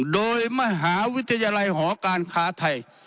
โดยมหาวิทยาลัยหอการค้าไทย